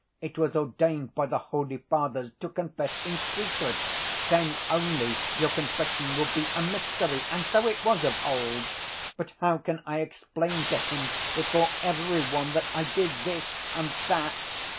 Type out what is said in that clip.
It was ordained by the holy Fathers to confess in secret: then only your confession will be a mystery, and so it was of old. But how can I explain to him before every one that I did this and that